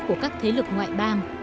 của các thế lực ngoại bang